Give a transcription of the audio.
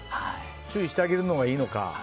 注意してあげるのがいいのか。